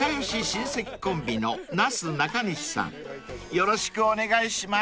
［よろしくお願いします］